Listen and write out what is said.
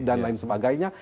dan lain sebagainya